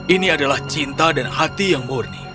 ini adalah cinta dan hati yang murni